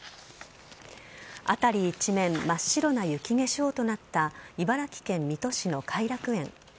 辺り一面真っ白な雪化粧となった、茨城県水戸市の偕楽園。